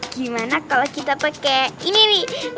gimana kalau kita pakai ini nih